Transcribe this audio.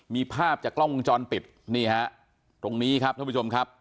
มีภาพจากกล้องวงจรปิดนี่ฮะตรงนี้ครับท่านผู้ชมครับ